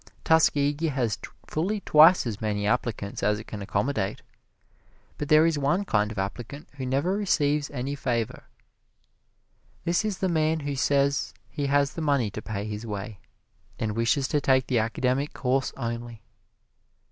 Tuskegee has fully twice as many applicants as it can accommodate; but there is one kind of applicant who never receives any favor. This is the man who says he has the money to pay his way, and wishes to take the academic course only.